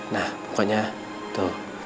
nah pokoknya tuh